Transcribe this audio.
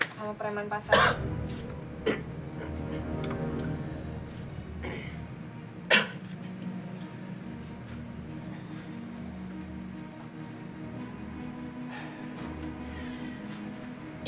sama peraman pak ustadz